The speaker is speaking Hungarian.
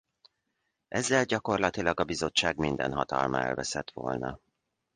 Ezzel gyakorlatilag a bizottság minden hatalma elveszett volna.